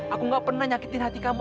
aku gak pernah nyakitin hati kamu